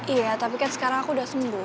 iya tapi kan sekarang aku udah sembuh